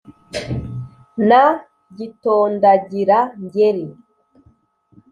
na gitondagira-ngeri.